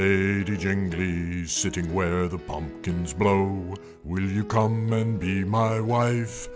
Lady Jingly! Sitting where the pumpkins blow, Will you come and be my wife?"